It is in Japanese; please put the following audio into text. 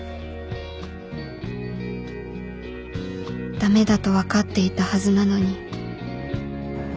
駄目だと分かっていたはずなのに